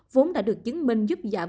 vốn đã được chứng minh giúp giảm